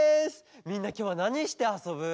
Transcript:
みんなきょうはなにしてあそぶ？